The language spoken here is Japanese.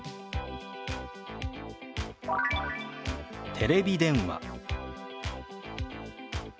「テレビ電話」。